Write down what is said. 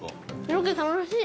ロケ楽しい！